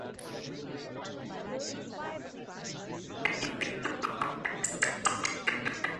Any particular pop artists or songs you recommend?